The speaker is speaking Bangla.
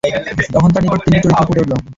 তখন তাঁর নিকট তিনটি চরিত্র ফুটে উঠল।